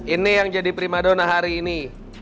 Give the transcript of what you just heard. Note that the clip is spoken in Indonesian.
ini yang jadi primadona hari ini